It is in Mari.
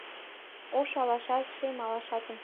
Ош алашат, шем алашатым